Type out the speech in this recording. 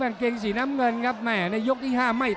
หรือว่าผู้สุดท้ายมีสิงคลอยวิทยาหมูสะพานใหม่